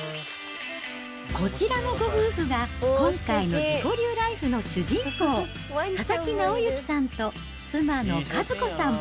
こちらのご夫婦が、今回の自己流ライフの主人公、佐々木直行さんと妻の和子さん。